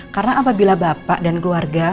karena apabila bapak dan keluarga